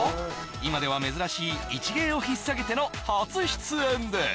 今では珍しい一芸をひっ提げての初出演です